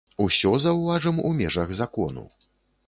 Усё, заўважым, у межах закону.